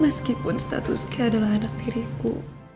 meskipun status kay adalah anak diriku